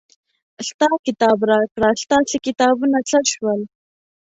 ستا کتاب راکړه ستاسې کتابونه څه شول.